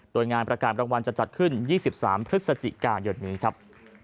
โดยงานประกาศรางวัลจะจัดขึ้น๒๓พฤศจิกายนนี้ครับ